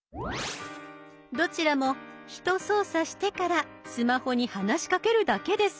どちらもひと操作してからスマホに話しかけるだけです。